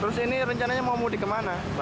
terus ini rencananya mau mudik kemana